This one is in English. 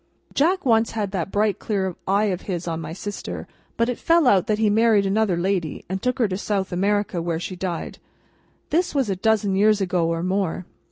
Jack once had that bright clear eye of his on my sister; but, it fell out that he married another lady and took her to South America, where she died. This was a dozen years ago or more.